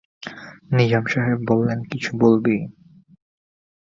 নিজাম সাহেব বললেন, কিছু বলবি?